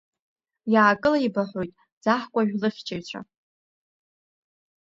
Иаакылибаҳәоит Ӡаҳкәажә лыхьчаҩцәа.